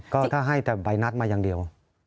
ก็ถ้าให้แต่ใบนัดมาอย่างเดียว